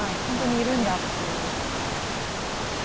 本当にいるんだっていう。